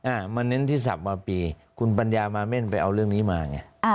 อ่ามาเน้นที่สับมาปีคุณปัญญามาเม่นไปเอาเรื่องนี้มาไงอ่า